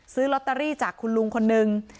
ซื้อลอตเตอรี่จากคุณลุงคนนึง